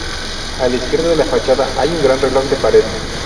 A la izquierda de la fachada hay un gran reloj de pared.